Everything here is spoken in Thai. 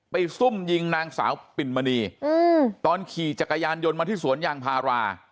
ซุ่มยิงนางสาวปิ่นมณีตอนขี่จักรยานยนต์มาที่สวนยางพารา